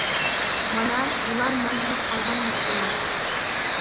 مانا بۇلار مەن ھېس قىلغان نۇقتىلار.